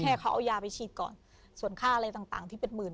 ให้เขาเอายาไปฉีดก่อนส่วนค่าอะไรต่างที่เป็นหมื่น